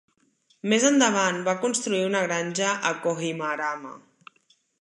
Més endavant va construir una granja a Kohimarama.